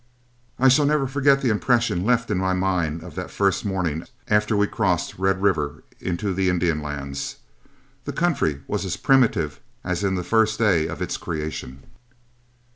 I shall never forget the impression left in my mind of that first morning after we crossed Red River into the Indian lands. The country was as primitive as in the first day of its creation.